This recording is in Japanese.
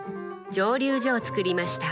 蒸留所をつくりました。